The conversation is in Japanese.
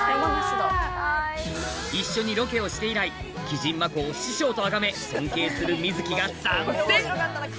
一緒にロケをして以来奇人まこを師匠とあがめ尊敬するみづきが参戦！